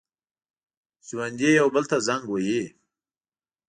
ژوندي یو بل ته زنګ وهي